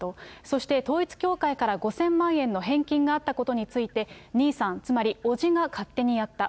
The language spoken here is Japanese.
そして統一教会から５０００万円の返金があったことについて、兄さん、つまり伯父が勝手にやった。